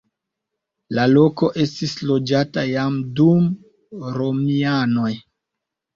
La loko estis loĝata jam dum romianoj.